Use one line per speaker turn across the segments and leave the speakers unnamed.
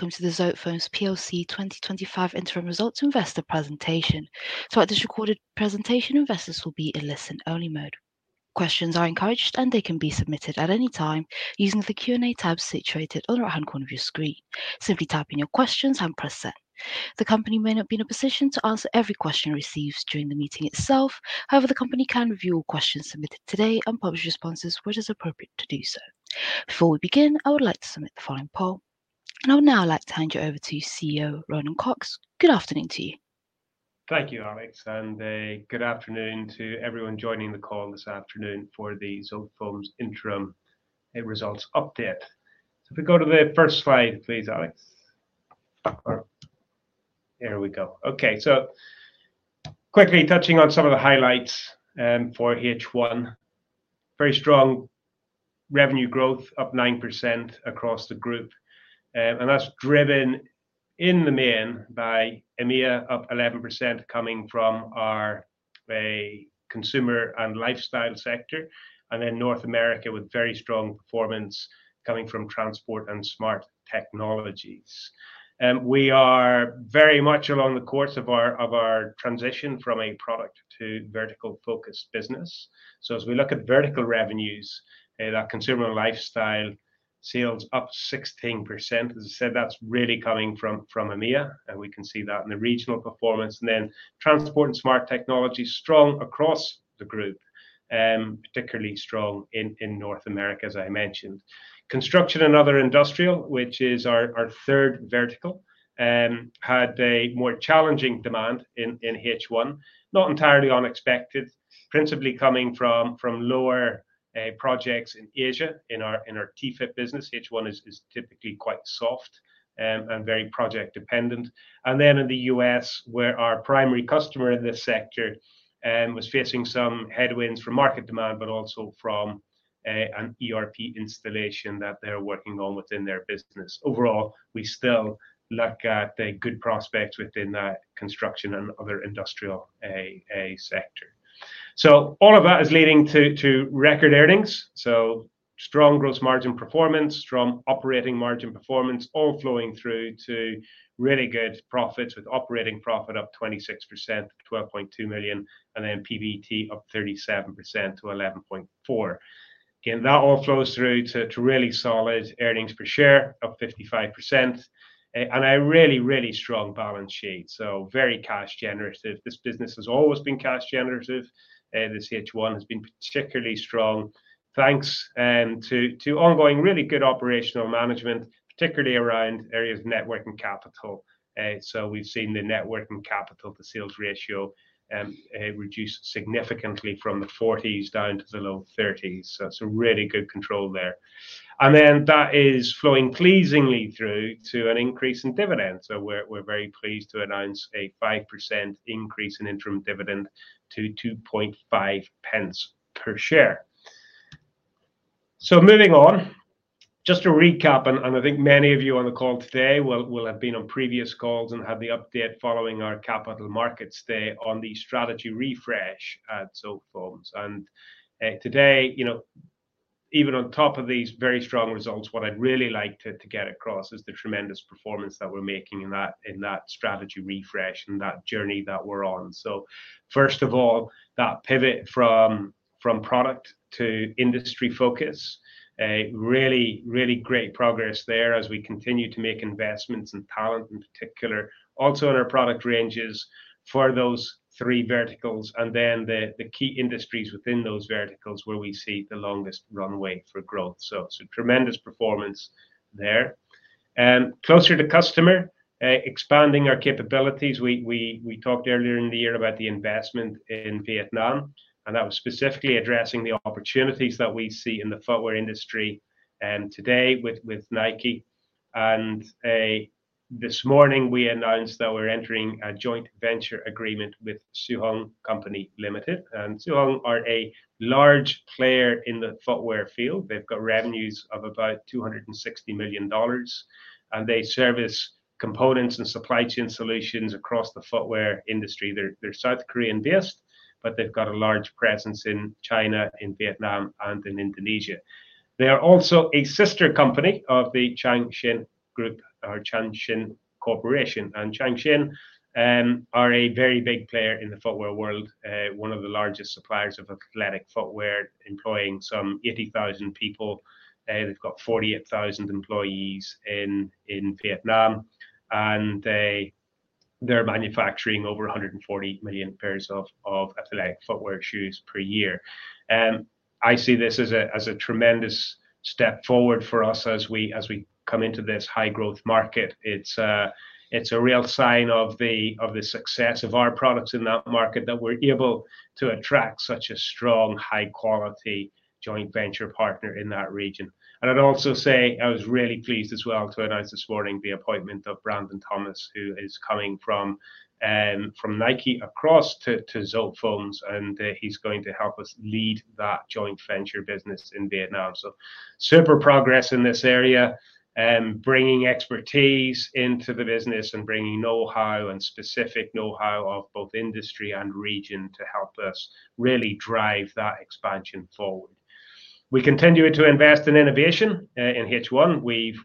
Welcome to the Zotefoams PLC 2025 Interim Results Investor Presentation. Throughout this recorded presentation, investors will be in listen-only mode. Questions are encouraged, and they can be submitted at any time using the Q&A tab situated on the right-hand corner of your screen. Simply type in your questions and press send. The company may not be in a position to answer every question received during the meeting itself. However, the company can review all questions submitted today and publish responses when it is appropriate to do so. Before we begin, I would like to submit the following poll. I would now like to hand you over to CEO Ronan Cox. Good afternoon to you.
Thank you, Alex, and a good afternoon to everyone joining the call this afternoon for the Zotefoams Interim Results Update. If we go to the first slide, please, Alex. Here we go. Quickly touching on some of the highlights for H1. Very strong revenue growth, up 9% across the group. That's driven in the main by EMEA, up 11% coming from our Consumer & Lifestyle sector. North America had very strong performance coming from Transport & Smart Technology. We are very much along the course of our transition from a product to vertical-focused business. As we look at vertical revenues, Consumer & Lifestyle sales are up 16%. As I said, that's really coming from EMEA. We can see that in the regional performance. Transport & Smart Technology are strong across the group, and particularly strong in North America, as I mentioned. Construction & Other Industrial, which is our third vertical, had more challenging demand in H1, not entirely unexpected, principally coming from lower projects in Asia. In our T-FIP business, H1 is typically quite soft and very project-dependent. In the U.S., our primary customer in this sector was facing some headwinds from market demand, but also from an ERP installation that they're working on within their business. Overall, we still look at good prospects within that Construction & Other Industrial sector. All of that is leading to record earnings. Strong gross margin performance, strong operating margin performance, all flowing through to really good profits with operating profit up 26% to £12.2 million, and PBT up 37% to £11.4 million. That all flows through to really solid earnings per share of 55%. A really, really strong balance sheet. Very cash generative. This business has always been cash generative. This H1 has been particularly strong thanks to ongoing really good operational management, particularly around areas of working capital. We've seen the working capital to sales ratio reduce significantly from the 40s down to the low 30s. It's a really good control there. That is flowing pleasingly through to an increase in dividends. We're very pleased to announce a 5% increase in interim dividend to £0.025 per share. Moving on, just to recap, and I think many of you on the call today will have been on previous calls and had the update following our capital markets day on the strategy refresh at Zotefoams. Today, even on top of these very strong results, what I'd really like to get across is the tremendous performance that we're making in that strategy refresh and that journey that we're on. First of all, that pivot from product to industry focus, really, really great progress there as we continue to make investments in talent in particular, also in our product ranges for those three verticals, and then the key industries within those verticals where we see the longest runway for growth. Tremendous performance there. Closer to customer, expanding our capabilities. We talked earlier in the year about the investment in Vietnam, and that was specifically addressing the opportunities that we see in the footwear industry. Today with Nike, this morning we announced that we're entering a joint venture agreement with Seo-Heung Co. Ltd. Seo-Heung are a large player in the footwear field. They've got revenues of about $260 million, and they service components and supply chain solutions across the footwear industry. They're South Korean-based, but they've got a large presence in China, in Vietnam, and in Indonesia. They are also a sister company of Changshin Corporation. Changshin are a very big player in the footwear world, one of the largest suppliers of athletic footwear, employing some 80,000 people. They've got 48,000 employees in Vietnam, and they're manufacturing over 140 million pairs of athletic footwear shoes per year. I see this as a tremendous step forward for us as we come into this high-growth market. It's a real sign of the success of our products in that market that we're able to attract such a strong, high-quality joint venture partner in that region. I was really pleased as well to announce this morning the appointment of Brandon Thomas, who is coming from Nike across to Zotefoams, and he's going to help us lead that joint venture business in Vietnam. Super progress in this area, bringing expertise into the business and bringing know-how and specific know-how of both industry and region to help us really drive that expansion forward. We continue to invest in innovation in H1. We've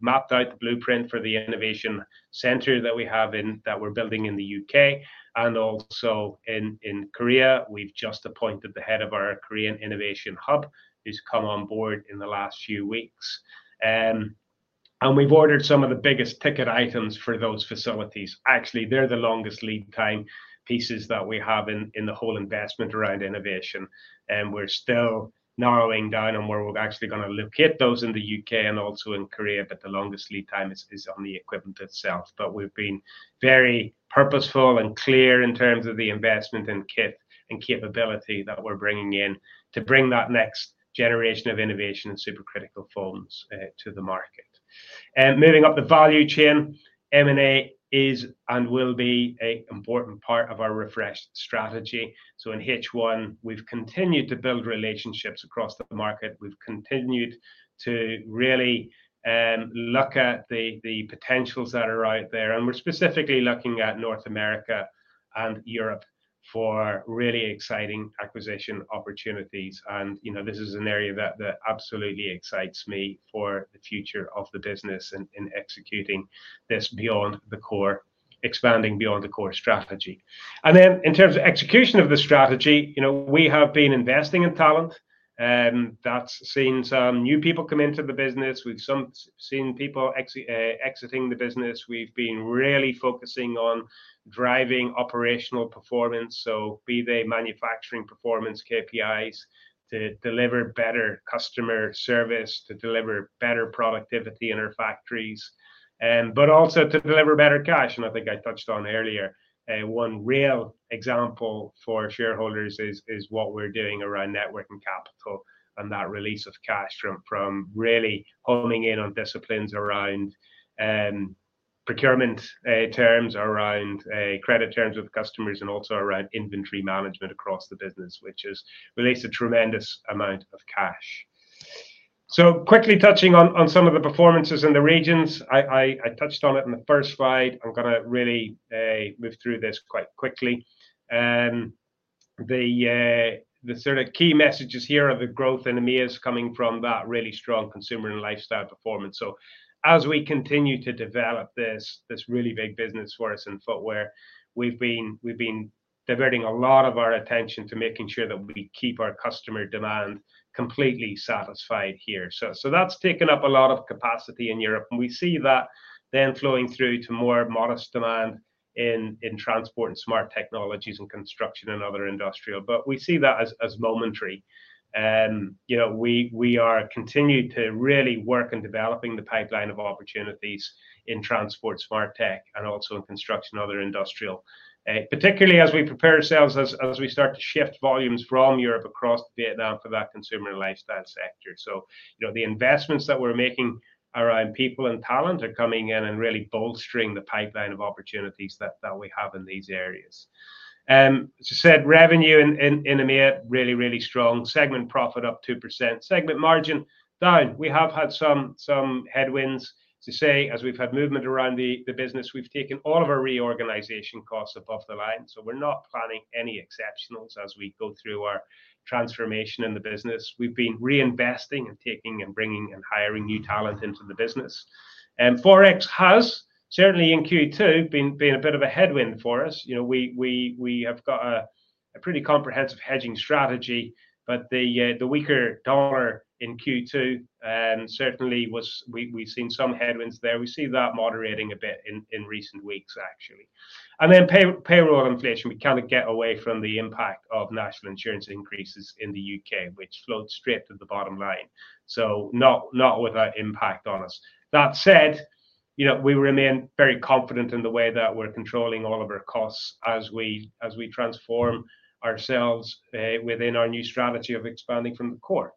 mapped out the blueprint for the innovation center that we have in that we're building in the U.K. and also in Korea. We've just appointed the head of our Korean Innovation Hub, who's come on board in the last few weeks. We've ordered some of the biggest ticket items for those facilities. Actually, they're the longest lead time pieces that we have in the whole investment around innovation. We're still narrowing down on where we're actually going to look at those in the U.K. and also in South Korea, but the longest lead time is on the equipment itself. We've been very purposeful and clear in terms of the investment in kit and capability that we're bringing in to bring that next generation of innovation and supercritical foams to the market. Moving up the value chain, M&A is and will be an important part of our refresh strategy. In H1, we've continued to build relationships across the market. We've continued to really look at the potentials that are out there, and we're specifically looking at North America and Europe for really exciting acquisition opportunities. This is an area that absolutely excites me for the future of the business in executing this beyond the core, expanding beyond the core strategy. In terms of execution of the strategy, we have been investing in talent. That's seen some new people come into the business. We've seen people exiting the business. We've been really focusing on driving operational performance, so be they manufacturing performance KPIs, to deliver better customer service, to deliver better productivity in our factories, but also to deliver better cash. I think I touched on earlier, one real example for shareholders is what we're doing around working capital and that release of cash from really homing in on disciplines around procurement terms, around credit terms with customers, and also around inventory management across the business, which has released a tremendous amount of cash. Quickly touching on some of the performances in the regions, I touched on it in the first slide. I'm going to really move through this quite quickly. The sort of key messages here are the growth in EMEA is coming from that really strong consumer and lifestyle performance. As we continue to develop this really big business for us in footwear, we've been diverting a lot of our attention to making sure that we keep our customer demand completely satisfied here. That's taken up a lot of capacity in Europe. We see that then flowing through to more modest demand in transport and smart technologies and construction and other industrial. We see that as momentary. We are continuing to really work on developing the pipeline of opportunities in transport, smart tech, and also in construction and other industrial, particularly as we prepare ourselves as we start to shift volumes from Europe across Vietnam for that Consumer & Lifestyle sector. The investments that we're making around people and talent are coming in and really bolstering the pipeline of opportunities that we have in these areas. As I said, revenue in EMEA is really, really strong. Segment profit is up 2%. Segment margin is down. We have had some headwinds to say as we've had movement around the business. We've taken all of our reorganization costs above the line. We're not planning any exceptionals as we go through our transformation in the business. We've been reinvesting and bringing and hiring new talent into the business. Forex has certainly in Q2 been a bit of a headwind for us. We have got a pretty comprehensive hedging strategy, but the weaker dollar in Q2 certainly was, we've seen some headwinds there. We see that moderating a bit in recent weeks, actually. Payroll inflation, we can't get away from the impact of national insurance increases in the UK, which flowed straight to the bottom line. Not without impact on us. That said, we remain very confident in the way that we're controlling all of our costs as we transform ourselves within our new strategy of expanding from the core.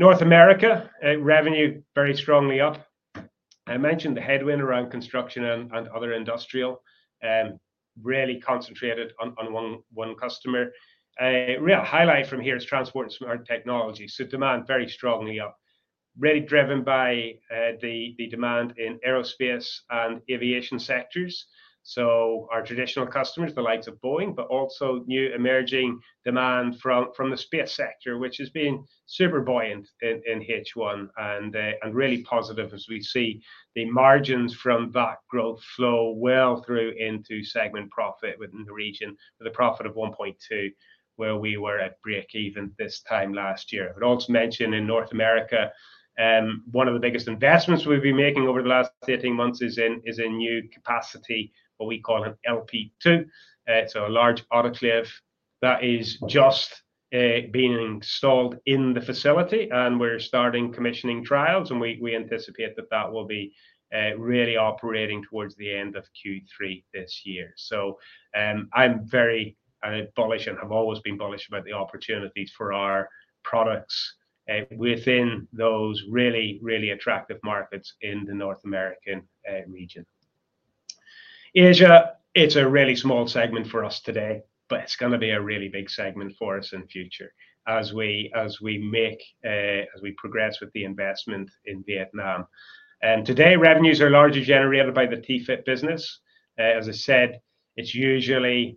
North America, revenue is very strongly up. I mentioned the headwind around construction and other industrial, really concentrated on one customer. A real highlight from here is Transport & Smart Technologies. Demand is very strongly up, really driven by the demand in aerospace and aviation sectors. Our traditional customers, the likes of Boeing, but also new emerging demand from the space sector, which has been super buoyant in H1 and really positive as we see the margins from that growth flow well through into segment profit within the region with a profit of 1.2 million where we were at break even this time last year. I would also mention in North America, one of the biggest investments we've been making over the last 18 months is in new capacity, what we call an LP2. It's a large autoclave that is just being installed in the facility and we're starting commissioning trials and we anticipate that that will be really operating towards the end of Q3 this year. I'm very bullish and have always been bullish about the opportunities for our products within those really, really attractive markets in the North American region. Asia is a really small segment for us today, but it's going to be a really big segment for us in the future as we progress with the investment in Vietnam. Today, revenues are largely generated by the T-FIT business. As I said, the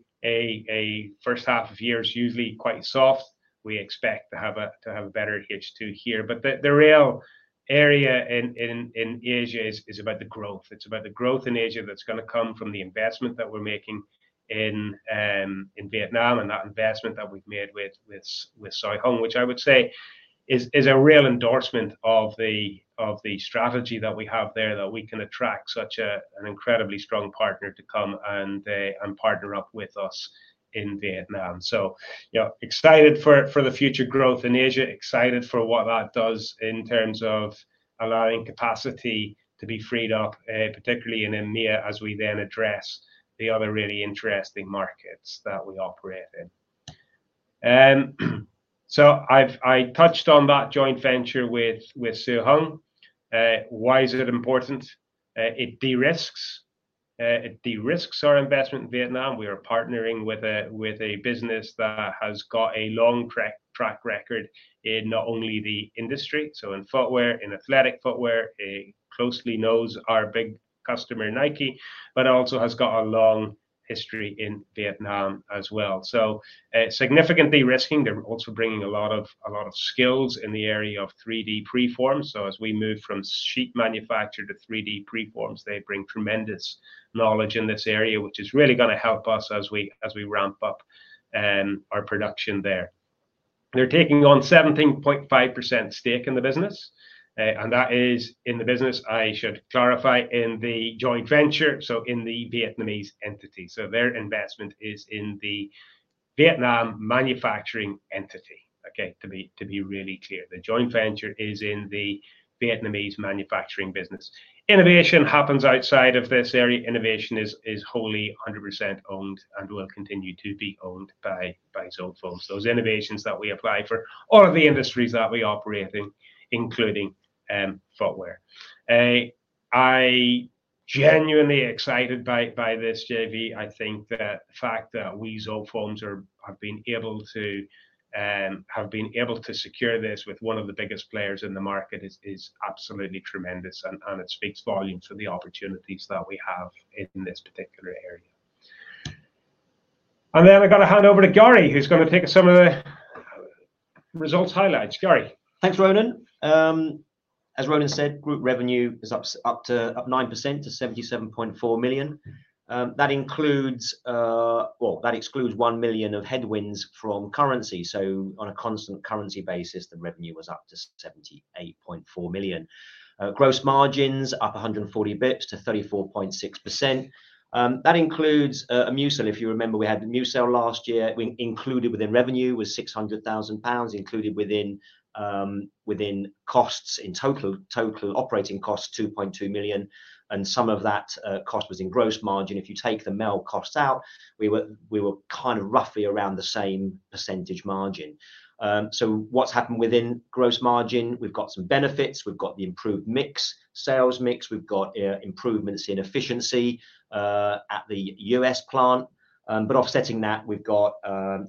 first half of the year is usually quite soft. We expect to have a better H2 here, but the real area in Asia is about the growth. It's about the growth in Asia that's going to come from the investment that we're making in Vietnam and that investment that we've made with Seo-Heung, which I would say is a real endorsement of the strategy that we have there, that we can attract such an incredibly strong partner to come and partner up with us in Vietnam. I'm excited for the future growth in Asia, excited for what that does in terms of allowing capacity to be freed up, particularly in EMEA as we then address the other really interesting markets that we operate in. I touched on that joint venture with Seo-Heung. Why is it important? It de-risks our investment in Vietnam. We are partnering with a business that has got a long track record in not only the industry, so in footwear, in athletic footwear, it closely knows our big customer Nike, but also has got a long history in Vietnam as well. Significantly de-risking, they're also bringing a lot of skills in the area of 3D preforms. As we move from sheet manufacture to 3D preforms, they bring tremendous knowledge in this area, which is really going to help us as we ramp up our production there. They're taking on a 17.5% stake in the business. That is in the business, I should clarify, in the joint venture, so in the Vietnamese entity. Their investment is in the Vietnam manufacturing entity, to be really clear. The joint venture is in the Vietnamese manufacturing business. Innovation happens outside of this area. Innovation is wholly 100% owned and will continue to be owned by Zotefoams. Those innovations that we apply for all of the industries that we operate in, including footwear. I'm genuinely excited by this JV. I think that the fact that we, Zotefoams, have been able to secure this with one of the biggest players in the market is absolutely tremendous and it speaks volumes to the opportunities that we have in this particular area. I'm going to hand over to Gary, who's going to take us through some of the results highlights. Gary?
Thanks, Ronan. As Ronan said, group revenue is up 9% to £77.4 million. That excludes £1 million of headwinds from currency. On a constant currency basis, the revenue was up to £78.4 million. Gross margins are up 140 bps to 34.6%. That includes a mucil, if you remember, we had the mucil last year. Included within revenue was £600,000, included within costs in total, total operating cost £2.2 million. Some of that cost was in gross margin. If you take the mucil cost out, we were kind of roughly around the same percentage margin. What's happened within gross margin? We've got some benefits. We've got the improved sales mix. We've got improvements in efficiency at the U.S. plant. Offsetting that, we've got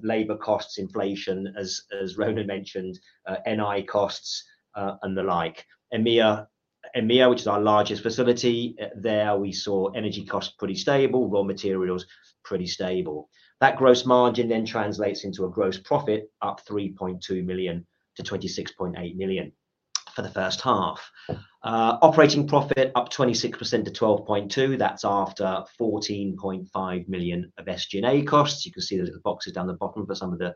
labor costs, inflation, as Ronan mentioned, NI costs and the like. EMEA, which is our largest facility there, we saw energy costs pretty stable, raw materials pretty stable. That gross margin then translates into a gross profit up £3.2 million-£26.8 million for the first half. Operating profit is up 26% to £12.2 million. That's after £14.5 million of SG&A costs. You can see the boxes down the bottom for some of the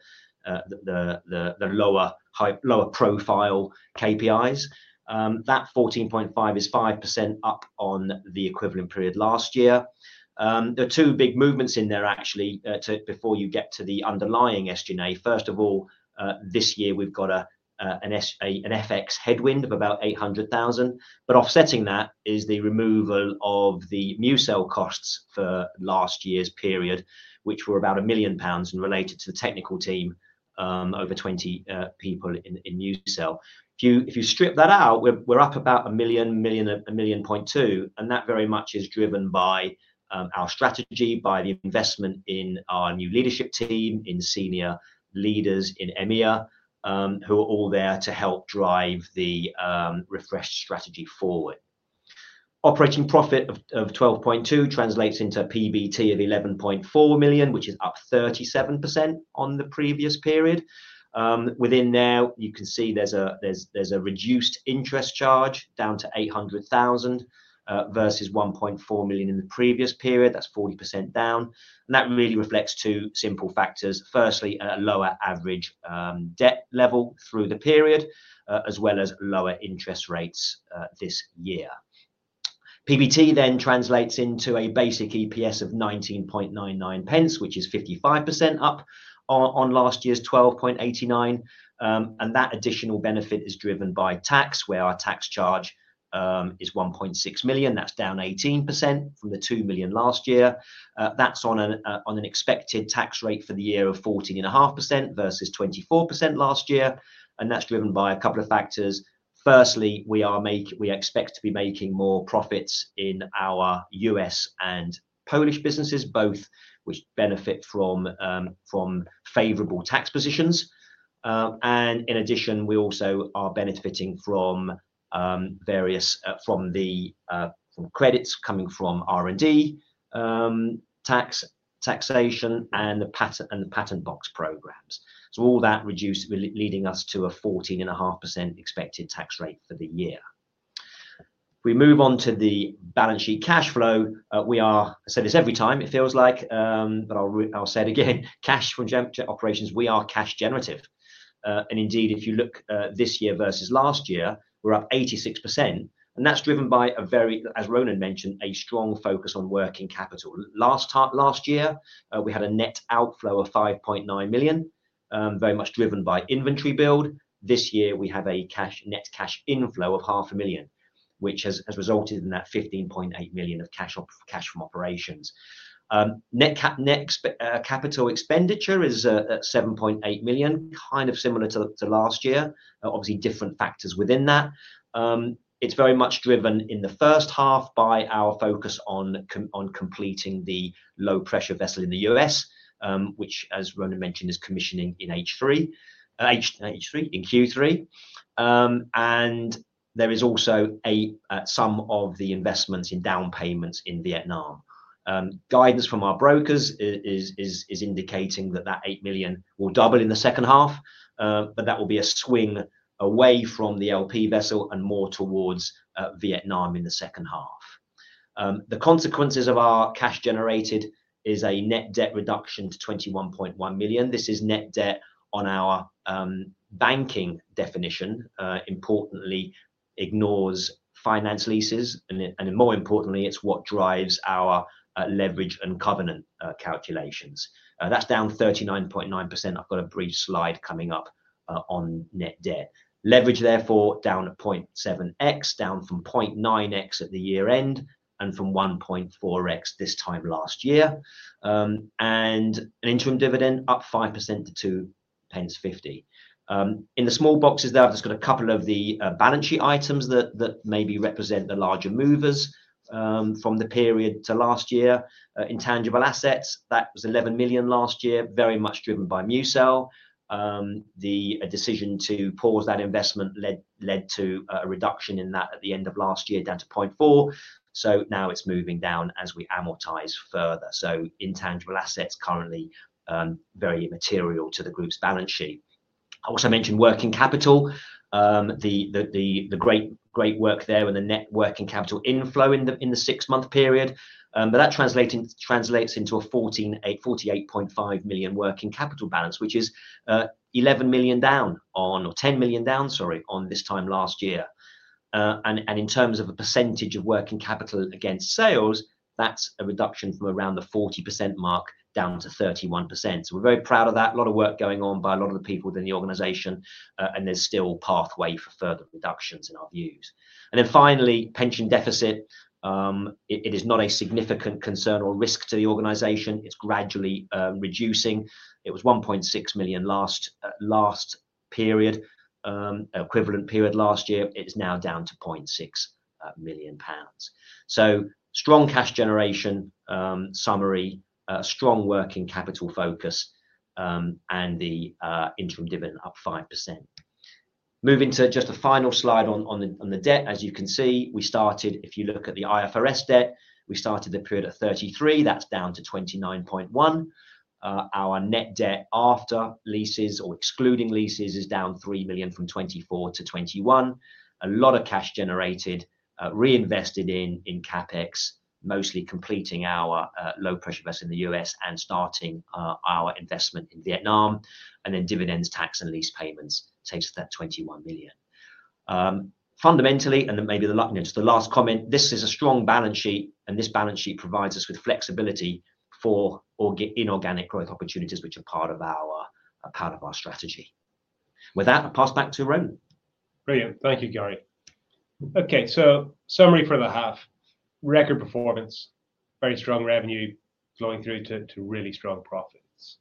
lower profile KPIs. That £14.5 million is 5% up on the equivalent period last year. There are two big movements in there, actually, before you get to the underlying SG&A. First of all, this year we've got an FX headwind of about £800,000. Offsetting that is the removal of the mucil costs for last year's period, which were about £1 million and related to the technical team, over 20 people in mucil. If you strip that out, we're up about £1 million, £1.2 million. That very much is driven by our strategy, by the investment in our new leadership team, in senior leaders in EMEA, who are all there to help drive the refresh strategy forward. Operating profit of £12.2 million translates into PBT of £11.4 million, which is up 37% on the previous period. Within there, you can see there's a reduced interest charge down to £800,000 versus £1.4 million in the previous period. That's 40% down. That really reflects two simple factors. Firstly, a lower average debt level through the period, as well as lower interest rates this year. PBT then translates into a basic EPS of £0.1999, which is 55% up on last year's £0.1289 pence. That additional benefit is driven by tax, where our tax charge is £1.6 million. That's down 18% from the £2 million last year. That's on an expected tax rate for the year of 14.5% versus 24% last year. That's driven by a couple of factors. Firstly, we expect to be making more profits in our U.S. and Polish businesses, both of which benefit from favorable tax positions. In addition, we also are benefiting from the credits coming from R&D taxation and the patent box programs. All that reduced, leading us to a 14.5% expected tax rate for the year. We move on to the balance sheet cash flow. I said this every time, it feels like, but I'll say it again: cash from operations, we are cash generative. Indeed, if you look this year versus last year, we're up 86%. That's driven by a very, as Ronan mentioned, strong focus on working capital. Last year, we had a net outflow of £5.9 million, very much driven by inventory build. This year, we have a net cash inflow of £0.5 million, which has resulted in that £15.8 million of cash from operations. Net capital expenditure is £7.8 million, kind of similar to last year, obviously different factors within that. It's very much driven in the first half by our focus on completing the low-pressure vessel in the U.S., which, as Ronan mentioned, is commissioning in Q3. There is also some of the investments in down payments in Vietnam. Guidance from our brokers is indicating that that £8 million will double in the second half, but that will be a swing away from the low-pressure vessel and more towards Vietnam in the second half. The consequences of our cash generated is a net debt reduction to £21.1 million. This is net debt on our banking definition. Importantly, it ignores finance leases, and more importantly, it's what drives our leverage and covenant calculations. That's down 39.9%. I've got a brief slide coming up on net debt. Leverage therefore down at 0.7x, down from 0.9x at the year end, and from 1.4x this time last year. An interim dividend up 5% to £0.250. In the small boxes there, I've just got a couple of the balance sheet items that maybe represent the larger movers from the period to last year. Intangible assets, that was £11 million last year, very much driven by MuCell. The decision to pause that investment led to a reduction in that at the end of last year down to £0.4 million. Now it's moving down as we amortize further. Intangible assets currently are very immaterial to the group's balance sheet. I also mentioned working capital, the great work there and the net working capital inflow in the six-month period. That translates into a £48.5 million working capital balance, which is £11 million down on, or £10 million down, sorry, on this time last year. In terms of a percentage of working capital against sales, that's a reduction from around the 40% mark down to 31%. We're very proud of that. A lot of work going on by a lot of the people in the organization, and there's still a pathway for further reductions in our views. Finally, pension deficit. It is not a significant concern or risk to the organization. It's gradually reducing. It was £1.6 million last equivalent period last year. It is now down to £0.6 million. Strong cash generation, summary, strong working capital focus, and the interim dividend up 5%. Moving to just a final slide on the debt, as you can see, we started, if you look at the IFRS debt, we started the period at £33 million. That's down to £29.1 million. Our net debt after leases or excluding leases is down £3 million from £24 million to £21 million. A lot of cash generated, reinvested in CapEx, mostly completing our low-pressure vessel in the U.S. and starting our investment in Vietnam. Dividends, tax, and lease payments takes us to that £21 million. Fundamentally, and maybe the last comment, this is a strong balance sheet, and this balance sheet provides us with flexibility for inorganic growth opportunities, which are part of our strategy. With that, I'll pass back to Ronan.
Brilliant. Thank you, Gary. Okay, summary for the half, record performance, very strong revenue flowing through to really strong profits.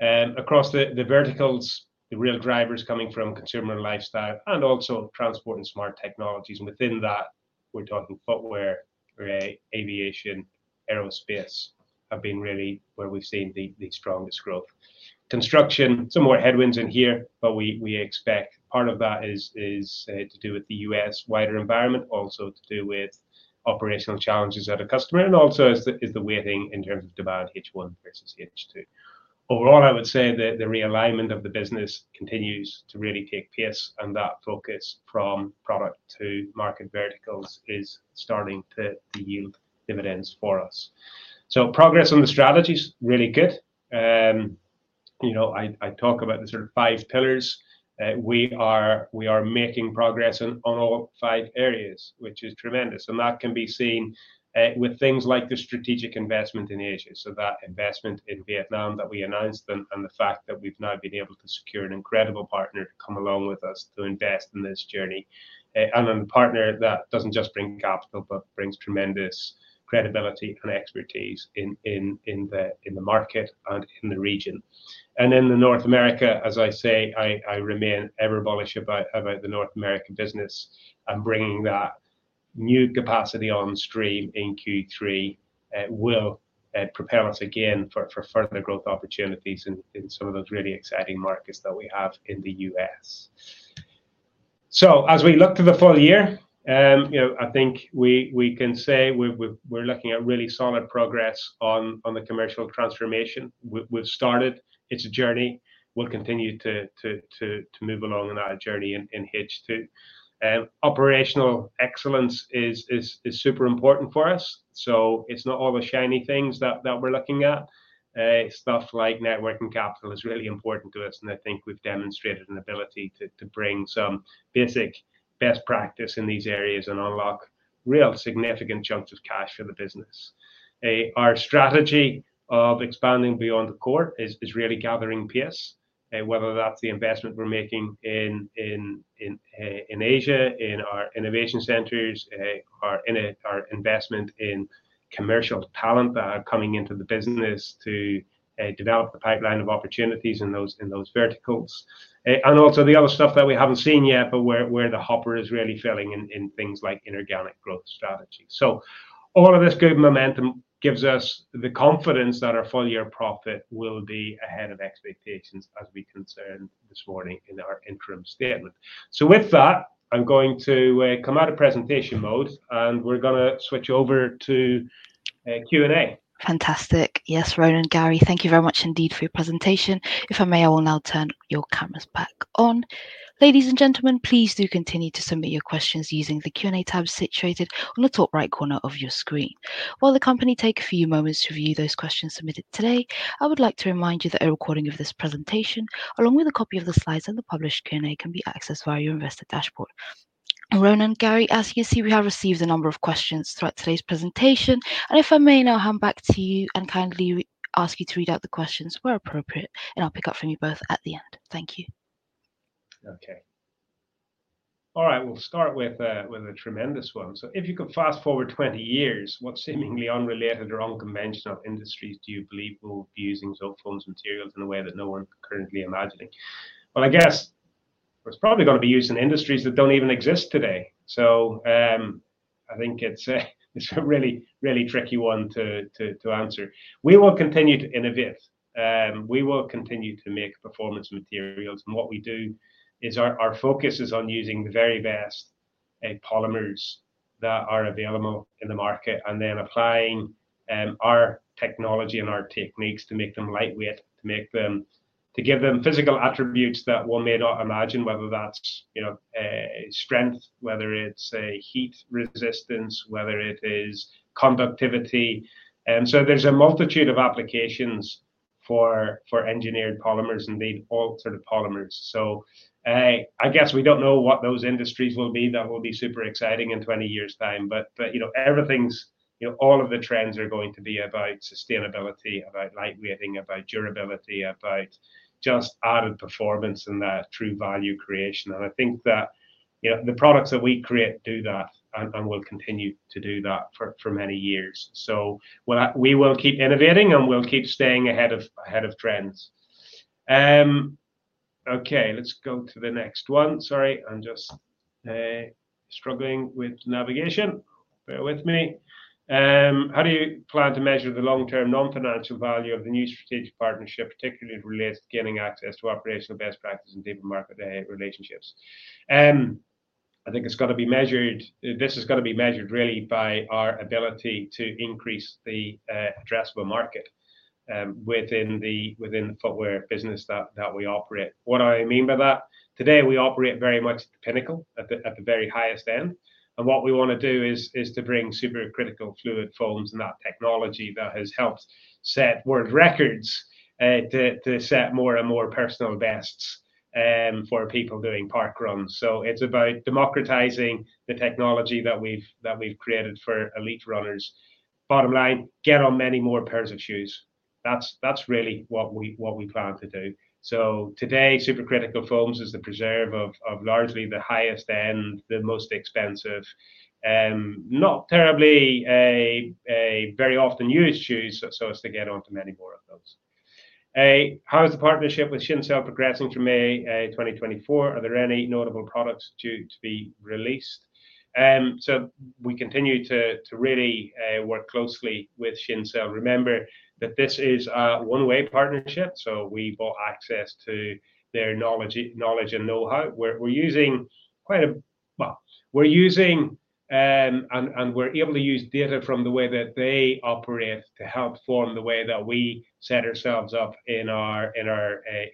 Across the verticals, the real drivers coming from consumer and lifestyle and also transport and smart technologies. Within that, we're talking footwear, aviation, aerospace have been really where we've seen the strongest growth. Construction, some more headwinds in here, but we expect part of that is to do with the U.S. wider environment, also to do with operational challenges at a customer, and also is the weighting in terms of demand H1 versus H2. Overall, I would say that the realignment of the business continues to really take pace, and that focus from product to market verticals is starting to yield dividends for us. Progress on the strategies is really good. I talk about the sort of five pillars. We are making progress in all five areas, which is tremendous. That can be seen with things like the strategic investment in Asia. That investment in Vietnam that we announced and the fact that we've now been able to secure an incredible partner to come along with us to invest in this journey. The partner doesn't just bring capital, but brings tremendous credibility and expertise in the market and in the region. North America, as I say, I remain ever bullish about the North American business. Bringing that new capacity on stream in Q3 will propel us again for further growth opportunities in some of those really exciting markets that we have in the U.S. As we look to the full year, I think we can say we're looking at really solid progress on the commercial transformation. We've started. It's a journey. We'll continue to move along on our journey in H2. Operational excellence is super important for us. It's not all the shiny things that we're looking at. Stuff like working capital is really important to us. I think we've demonstrated an ability to bring some basic best practice in these areas and unlock real significant chunks of cash for the business. Our strategy of expanding beyond the core is really gathering pace, whether that's the investment we're making in Asia, in our innovation centers, or in our investment in commercial talent that are coming into the business to develop the pipeline of opportunities in those verticals. Also the other stuff that we haven't seen yet, but where the hopper is really filling in things like inorganic growth strategy. All of this good momentum gives us the confidence that our full-year profit will be ahead of expectations as we confirmed this morning in our interim statement. With that, I'm going to come out of presentation mode and we're going to switch over to Q&A.
Fantastic. Yes, Ronan, Gary, thank you very much indeed for your presentation. If I may, I will now turn your cameras back on. Ladies and gentlemen, please do continue to submit your questions using the Q&A tab situated on the top right corner of your screen. While the company takes a few moments to review those questions submitted today, I would like to remind you that a recording of this presentation, along with a copy of the slides and the published Q&A, can be accessed via your investor dashboard. Ronan, Gary, as you can see, we have received a number of questions throughout today's presentation. If I may now hand back to you and kindly ask you to read out the questions where appropriate, I'll pick up from you both at the end. Thank you.
Okay. All right, we'll start with a tremendous one. If you could fast forward 20 years, what seemingly unrelated or unconventional industries do you believe will be using Zotefoams materials in a way that no one's currently imagining? It's probably going to be used in industries that don't even exist today. I think it's a really, really tricky one to answer. We will continue to innovate. We will continue to make performance materials. What we do is our focus is on using the very best polymers that are available in the market and then applying our technology and our techniques to make them lightweight, to give them physical attributes that one may not imagine, whether that's strength, whether it's heat resistance, whether it is conductivity. There's a multitude of applications for engineered polymers and all sorts of polymers. I guess we don't know what those industries will be that will be super exciting in 20 years' time. All of the trends are going to be about sustainability, about lightweighting, about durability, about just added performance and that true value creation. I think that the products that we create do that and will continue to do that for many years. We will keep innovating and we'll keep staying ahead of trends. Okay, let's go to the next one. Sorry, I'm just struggling with navigation. Bear with me. How do you plan to measure the long-term non-financial value of the new strategic partnership, particularly related to gaining access to operational best practice and deeper market relationships? I think it's got to be measured. This has got to be measured really by our ability to increase the addressable market within the footwear business that we operate. What I mean by that, today we operate very much at the pinnacle, at the very highest end. What we want to do is to bring supercritical fluid foams and that technology that has helped set world records to set more and more personal bests for people doing park runs. It's about democratizing the technology that we've created for elite runners. Bottom line, get on many more pairs of shoes. That's really what we plan to do. Today, supercritical foams is the preserve of largely the highest end, the most expensive, not terribly very often used shoes, so as to get onto many more of those. How is the partnership with Shincell progressing through May 2024? Are there any notable products due to be released? We continue to really work closely with Shincell. Remember that this is a one-way partnership. We bought access to their knowledge and know-how. We're using, and we're able to use, data from the way that they operate to help form the way that we set ourselves up in our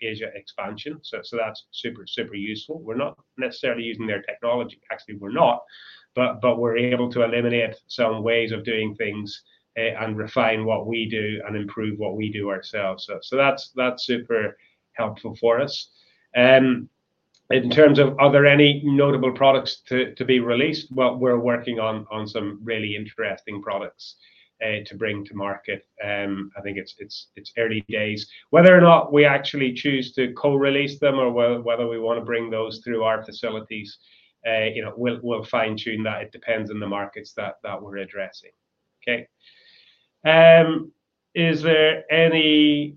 Asia expansion. That's super, super useful. We're not necessarily using their technology. Actually, we're not. We're able to eliminate some ways of doing things and refine what we do and improve what we do ourselves. That's super helpful for us. In terms of are there any notable products to be released, we're working on some really interesting products to bring to market. I think it's early days. Whether or not we actually choose to co-release them or whether we want to bring those through our facilities, we'll fine-tune that. It depends on the markets that we're addressing. Is there any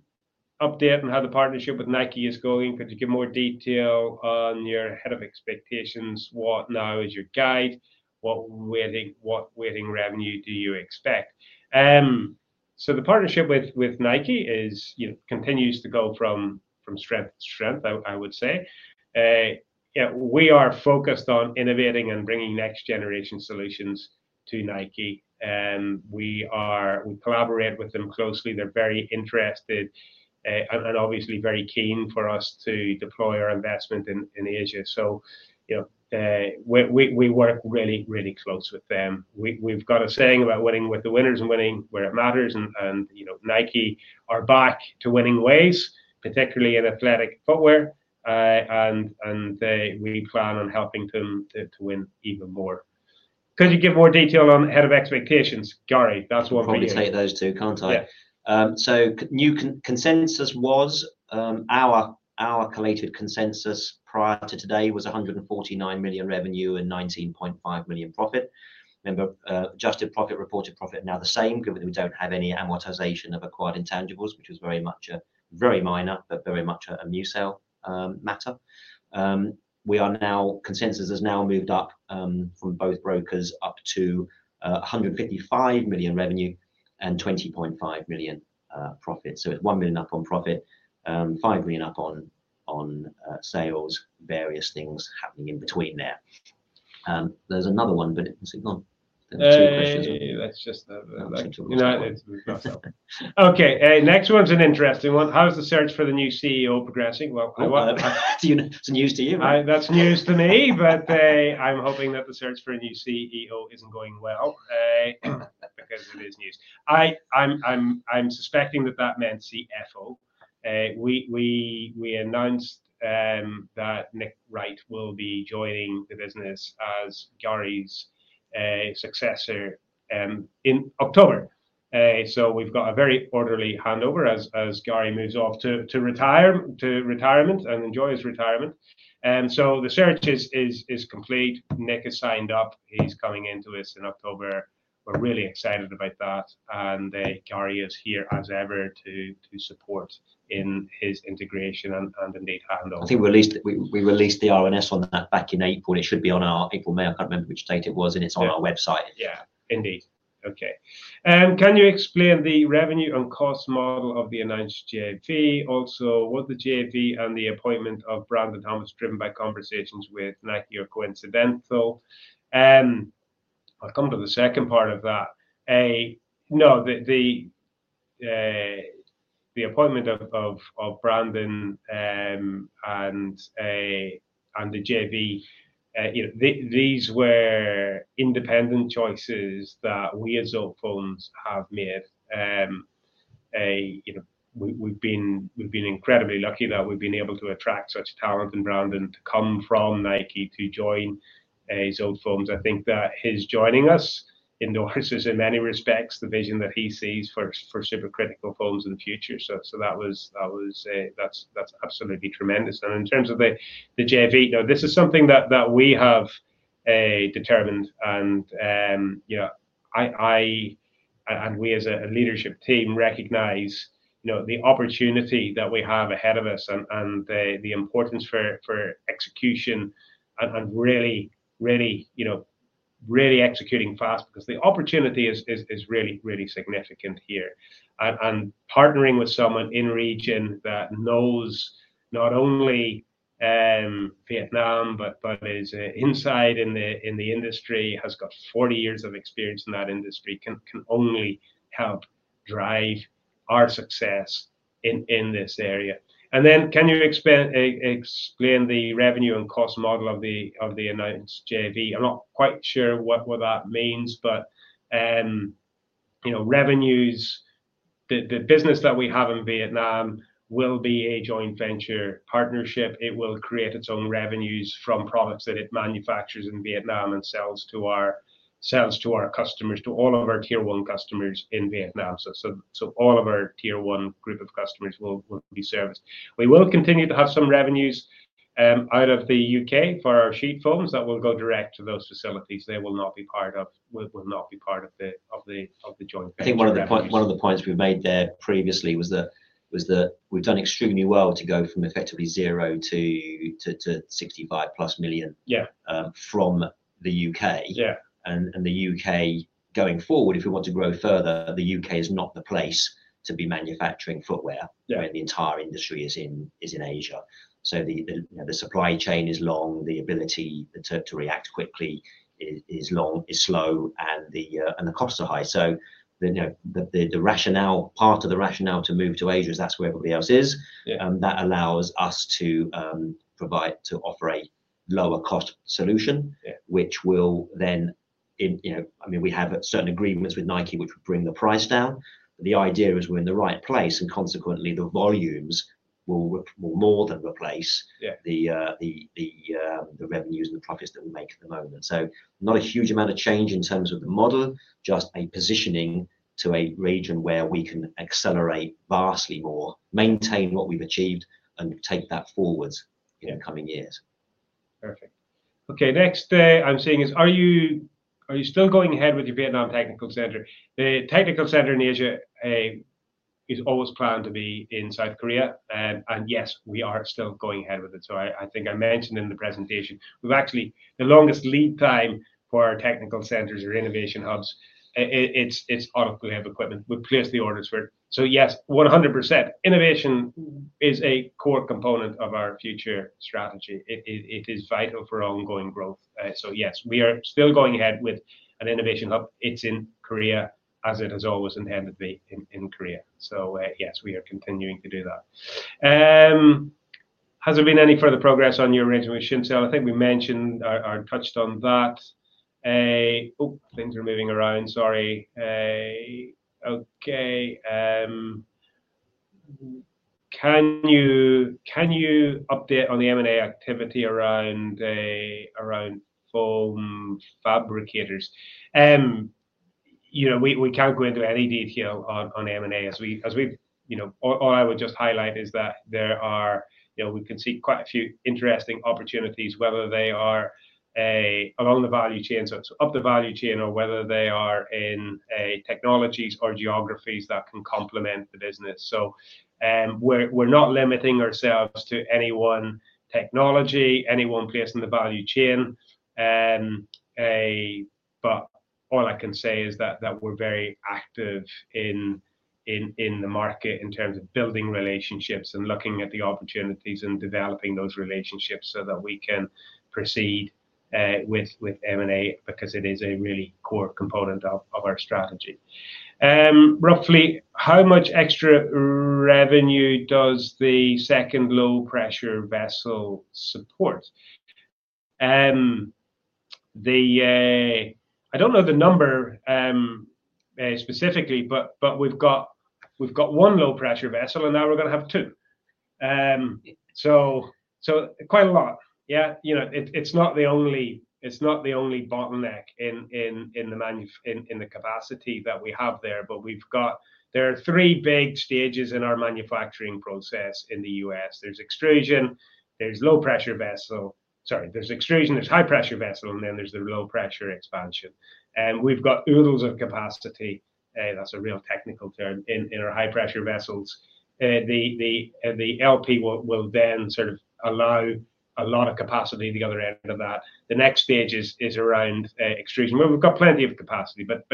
update on how the partnership with Nike is going? Could you give more detail on your head of expectations? What now is your guide? What wedding revenue do you expect? The partnership with Nike continues to go from strength to strength, I would say. We are focused on innovating and bringing next-generation solutions to Nike. We collaborate with them closely. They're very interested and obviously very keen for us to deploy our investment in Asia. We work really, really close with them. We've got a saying about winning with the winners and winning where it matters. Nike are back to winning ways, particularly in athletic footwear. We plan on helping them to win even more. Could you give more detail on head of expectations? Gary, that's one for you.
I'll say those two, can't I? Yeah. New consensus was our calculated consensus prior to today was £149 million revenue and £19.5 million profit. Remember, adjusted profit, reported profit now the same, given that we don't have any amortization of acquired intangibles, which is very much a very minor, but very much a mucil matter. Consensus has now moved up from both brokers up to £155 million revenue and £20.5 million profit. It's £1 million up on profit, £5 million up on sales, various things happening in between there. There's another one, but it's gone.
That's just that. Okay, next one's an interesting one. How's the search for the new CEO progressing?
It's news to you.
That's news to me, but I'm hoping that the search for a new CEO isn't going well because it is news. I'm suspecting that that meant CFO. We announced that Nick Wright will be joining the business as Gary's successor in October. We've got a very orderly handover as Gary moves off to retirement and enjoys retirement. The search is complete. Nick has signed up. He's coming into this in October. We're really excited about that. Gary is here as ever to support in his integration and indeed handover.
I think we released the RNS on that back in April. It should be on our April or May. I can't remember which date it was. It's on our website.
Yeah, indeed. Okay. Can you explain the revenue and cost model of the announced JV? Also, whether the JV and the appointment of Brandon Thomas, driven by conversations with Nike, are coincidental? I'll come to the second part of that. No, the appointment of Brandon and the JV, these were independent choices that we as Zotefoams have made. We've been incredibly lucky that we've been able to attract such talent and Brandon coming from Nike to join Zotefoams. I think that his joining us endorses in many respects the vision that he sees for supercritical foams in the future. That was, that's absolutely tremendous. In terms of the JV, this is something that we have determined. I and we as a leadership team recognize the opportunity that we have ahead of us and the importance for execution and really, really, you know, really executing fast because the opportunity is really, really significant here. Partnering with someone in a region that knows not only Vietnam, but is inside in the industry, has got 40 years of experience in that industry, can only help drive our success in this area. Can you explain the revenue and cost model of the announced JV? I'm not quite sure what that means, but revenues, the business that we have in Vietnam will be a joint venture partnership. It will create its own revenues from products that it manufactures in Vietnam and sells to our customers, to all of our tier one customers in Vietnam. All of our tier one group of customers will be serviced. We will continue to have some revenues out of the U.K. for our sheet foams that will go direct to those facilities. They will not be part of, will not be part of the joint venture.
I think one of the points we made there previously was that we've done extremely well to go from effectively zero to $65+ million. From the U.K., and the U.K. going forward, if we want to grow further, the U.K. is not the place to be manufacturing footwear. The entire industry is in Asia. The supply chain is long, the ability to react quickly is slow, and the costs are high. The rationale, part of the rationale to move to Asia is that's where everybody else is. That allows us to provide, to offer a lower cost solution, which will then, you know, I mean, we have certain agreements with Nike, which would bring the price down. The idea is we're in the right place, and consequently, the volumes will more than replace the revenues and the profits that we make at the moment. Not a huge amount of change in terms of the model, just a positioning to a region where we can accelerate vastly more, maintain what we've achieved, and take that forward in the coming years.
Perfect. Okay, next I'm seeing is, are you still going ahead with your Vietnam Technical Center? The Technical Center in Asia is always planned to be in South Korea. Yes, we are still going ahead with it. I think I mentioned in the presentation, we've actually, the longest lead time for our technical centers or innovation hubs, it's autoclave equipment. We're close to the orders for it. Yes, 100%. Innovation is a core component of our future strategy. It is vital for ongoing growth. Yes, we are still going ahead with an innovation hub. It's in Korea, as it has always intended to be in Korea. Yes, we are continuing to do that. Has there been any further progress on your arrangement with Shincell? I think we mentioned or touched on that. Oh, things are moving around. Sorry. Can you update on the M&A activity around foam fabricators? We can't go into any detail on M&A. All I would just highlight is that there are, we can see quite a few interesting opportunities, whether they are along the value chain, so it's up the value chain, or whether they are in technologies or geographies that can complement the business. We're not limiting ourselves to any one technology, any one place in the value chain. All I can say is that we're very active in the market in terms of building relationships and looking at the opportunities and developing those relationships so that we can proceed with M&A because it is a really core component of our strategy. Roughly, how much extra revenue does the second low-pressure vessel support? I don't know the number specifically, but we've got one low-pressure vessel and now we're going to have two. Quite a lot. It's not the only bottleneck in the capacity that we have there, but we've got, there are three big stages in our manufacturing process in the U.S. There's extrusion, there's low-pressure vessel, sorry, there's extrusion, there's high-pressure vessel, and then there's the low-pressure expansion. We've got oodles of capacity. That's a real technical term in our high-pressure vessels. The LP will then sort of allow a lot of capacity at the other end of that. The next stage is around extrusion. We've got plenty of capacity, but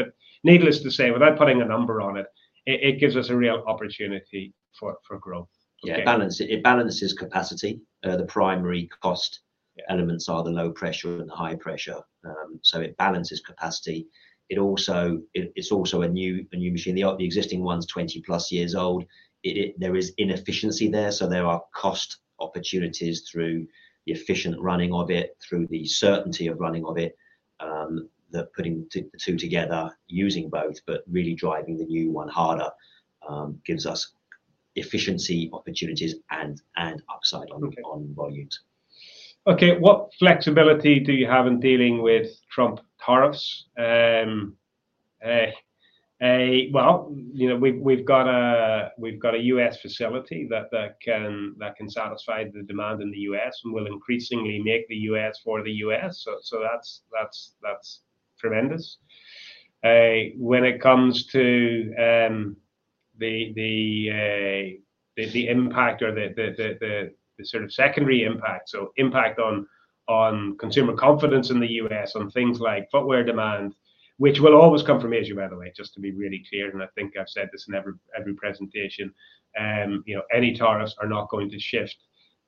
needless to say, without putting a number on it, it gives us a real opportunity for growth.
It balances capacity. The primary cost elements are the low-pressure and the high-pressure. It balances capacity. It's also a new machine. The existing one's 20+ years old. There is inefficiency there. There are cost opportunities through the efficient running of it, through the certainty of running of it, that putting the two together, using both, but really driving the new one harder gives us efficiency opportunities and upside on volumes.
Okay. What flexibility do you have in dealing with Trump tariffs? You know, we've got a U.S. facility that can satisfy the demand in the U.S. and will increasingly make the U.S. for the U.S. That's tremendous. When it comes to the impact or the sort of secondary impact, impact on consumer confidence in the U.S. on things like footwear demand, which will always come from Asia, by the way, just to be really clear. I think I've said this in every presentation. Any tariffs are not going to shift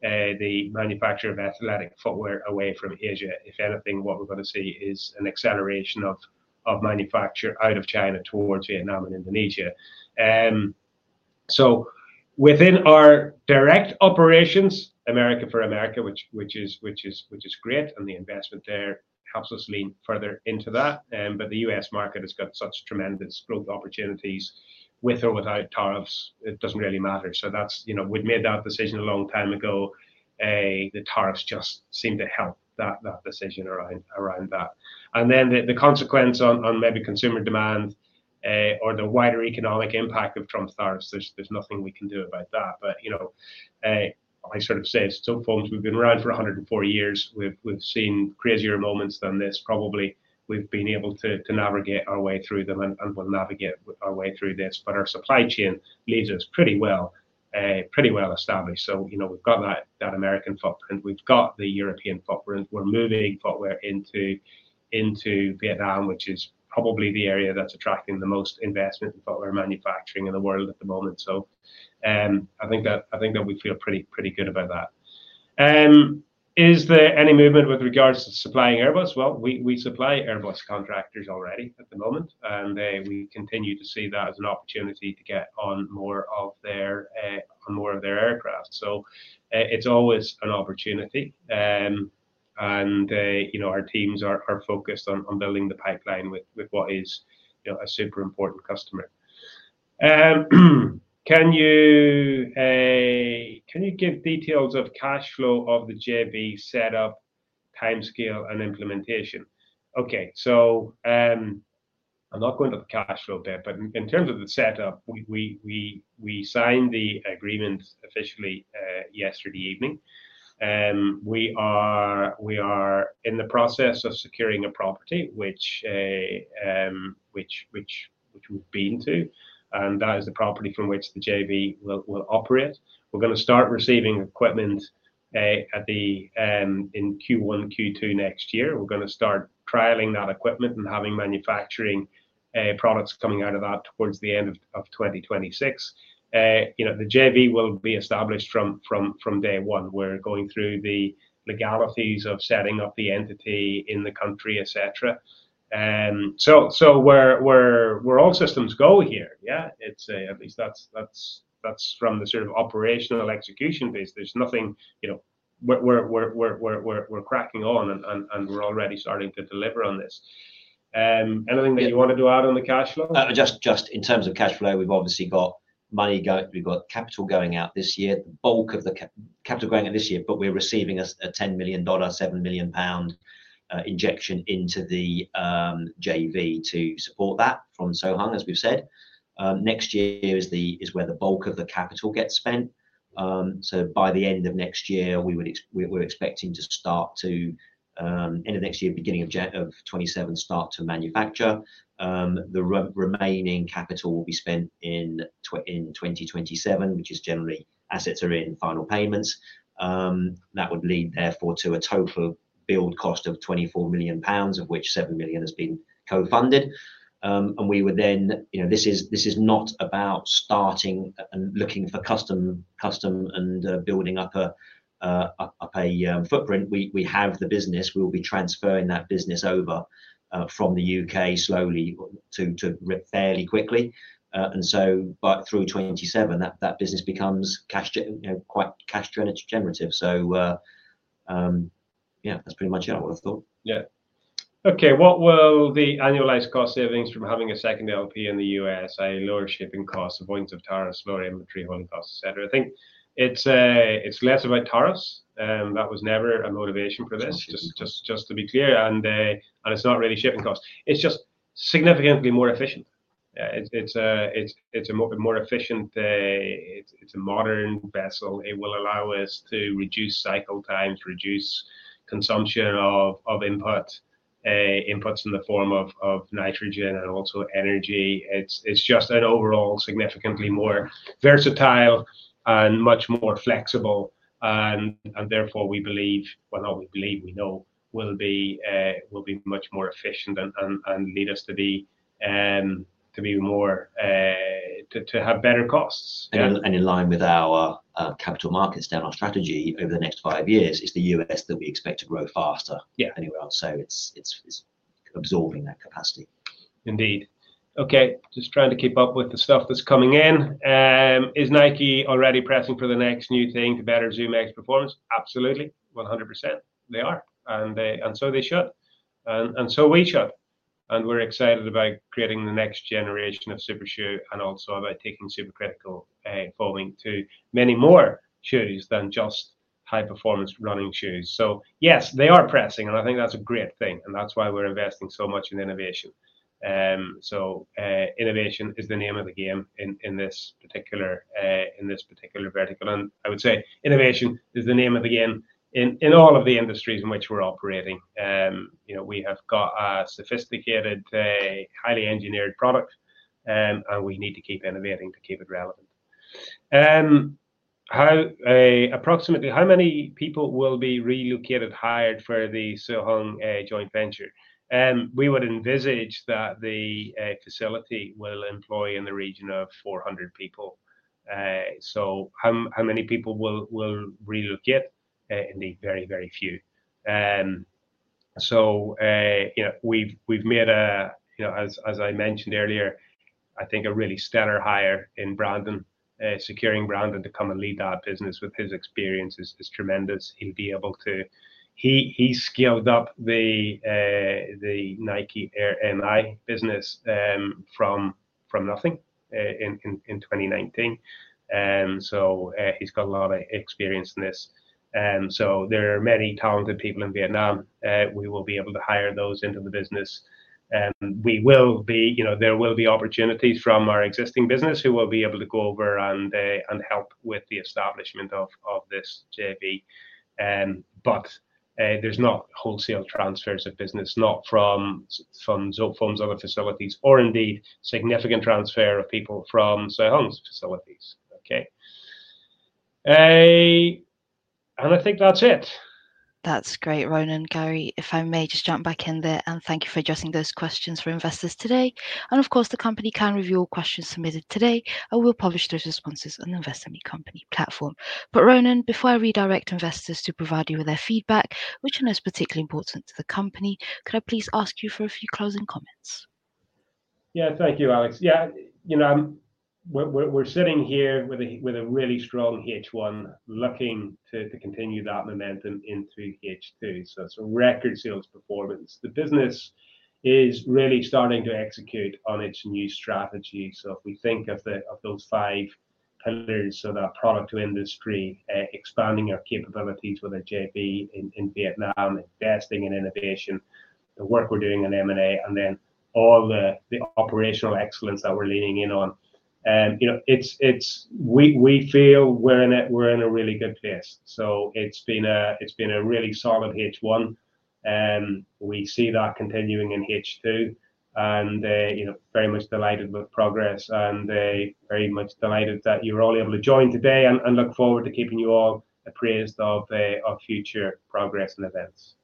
the manufacture of athletic footwear away from Asia. If anything, what we're going to see is an acceleration of manufacture out of China towards Vietnam and Indonesia. Within our direct operations, America for America, which is great, and the investment there helps us lean further into that. The U.S. market has got such tremendous growth opportunities with or without tariffs. It doesn't really matter. We've made that decision a long time ago. The tariffs just seem to help that decision around that. The consequence on maybe consumer demand or the wider economic impact of Trump's tariffs, there's nothing we can do about that. Zotefoams, we've been around for 104 years. We've seen crazier moments than this. Probably we've been able to navigate our way through them and will navigate our way through this. Our supply chain leads us pretty well, pretty well established. We've got that American footprint. We've got the European footprint. We're moving footwear into Vietnam, which is probably the area that's attracting the most investment in footwear manufacturing in the world at the moment. I think that we feel pretty good about that. Is there any movement with regards to supplying Airbus? We supply Airbus contractors already at the moment. We continue to see that as an opportunity to get on more of their aircraft. It's always an opportunity. Our teams are focused on building the pipeline with what is a super important customer. Can you give details of cash flow of the JV setup, timescale, and implementation? I'm not going to the cash flow bit, but in terms of the setup, we signed the agreement officially yesterday evening. We are in the process of securing a property, which we've been to. That is the property from which the JV will operate. We're going to start receiving equipment in Q1, Q2 next year. We're going to start trialing that equipment and having manufacturing products coming out of that towards the end of 2026. The JV will be established from day one. We're going through the legalities of setting up the entity in the country, etc. We're all systems go here. At least that's from the sort of operational execution base. There's nothing, we're cracking on and we're already starting to deliver on this. Anything that you wanted to add on the cash flow?
Just in terms of cash flow, we've obviously got money going, we've got capital going out this year. The bulk of the capital going out this year, but we're receiving a $10 million, £7 million injection into the JV to support that from Seo-Heung, as we've said. Next year is where the bulk of the capital gets spent. By the end of next year, we're expecting to start to end of next year, beginning of 2027, start to manufacture. The remaining capital will be spent in 2027, which is generally assets are in final payments. That would lead therefore to a total build cost of £24 million, of which £7 million has been co-funded. This is not about starting and looking for custom and building up a footprint. We have the business. We'll be transferring that business over from the U.K. slowly to fairly quickly. Through 2027, that business becomes cash generative. Yeah, that's pretty much it, what I've thought.
Yeah. Okay. What will the annualized cost savings from having a second LP in the U.S., a lower shipping cost, avoidance of tariffs, lower inventory holding costs, etc.? I think it's less about tariffs. That was never a motivation for this, just to be clear. It's not really shipping costs. It's just significantly more efficient. It's a more efficient, it's a modern vessel. It will allow us to reduce cycle times, reduce consumption of inputs in the form of nitrogen and also energy. It's just an overall significantly more versatile and much more flexible. Therefore, we believe, not we believe, we know we'll be much more efficient and lead us to be more, to have better costs.
In line with our capital markets day, our strategy over the next five years is the U.S. that we expect to grow faster than anywhere else. It's absorbing that capacity.
Indeed. Okay, just trying to keep up with the stuff that's coming in. Is Nike already pressing for the next new thing to better ZoomX performance? Absolutely. 100%. They are. They should, and we should. We're excited about creating the next generation of super shoe and also about taking supercritical foaming to many more shoes than just high performance running shoes. Yes, they are pressing. I think that's a great thing. That's why we're investing so much in innovation. Innovation is the name of the game in this particular vertical. I would say innovation is the name of the game in all of the industries in which we're operating. We have got a sophisticated, highly engineered product, and we need to keep innovating to keep it relevant. Approximately how many people will be relocated, hired for the Seo-Heung Co. Ltd joint venture? We would envisage that the facility will employ in the region of 400 people. How many people will relocate? Indeed, very, very few. As I mentioned earlier, I think a really stellar hire in Brandon Thomas, securing Brandon to come and lead that business with his experience is tremendous. He scaled up the Nike Air NI business from nothing in 2019, so he's got a lot of experience in this. There are many talented people in Vietnam. We will be able to hire those into the business. There will be opportunities from our existing business who will be able to go over and help with the establishment of this JV, but there's not wholesale transfers of business, not from Zotefoams other facilities, or indeed significant transfer of people from Seo-Heung Co. Ltd's facilities. Okay. I think that's it.
That's great, Ronan. Gary, if I may just jump back in there and thank you for addressing those questions for investors today. Of course, the company can review all questions submitted today and will publish those responses on the Invest in Me company platform. Ronan, before I redirect investors to provide you with their feedback, which I know is particularly important to the company, could I please ask you for a few closing comments?
Yeah, thank you, Alex. We're sitting here with a really strong H1 looking to continue that momentum into H2. It's a record sales performance. The business is really starting to execute on its new strategy. If we think of those five pillars, that product to industry, expanding our capabilities with a JV in Vietnam, investing in innovation, the work we're doing in M&A, and then all the operational excellence that we're leaning in on, we feel we're in a really good place. It's been a really solid H1. We see that continuing in H2. Very much delighted with progress and very much delighted that you're all able to join today and look forward to keeping you all appraised of future progress and events.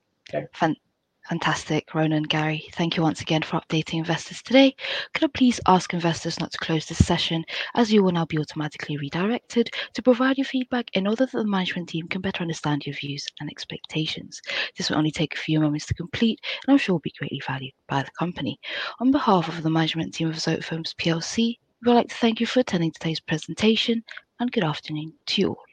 Fantastic, Ronan. Gary, thank you once again for updating investors today. Could I please ask investors not to close this session as you will now be automatically redirected to provide your feedback in order that the management team can better understand your views and expectations. This will only take a few moments to complete, and I'm sure will be greatly valued by the company. On behalf of the management team of Zotefoams PLC, we would like to thank you for attending today's presentation and good afternoon to you all.